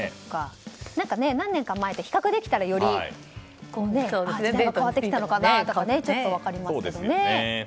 何年か前と比較できたら時代が変わってきたのかなというのが分かりますよね。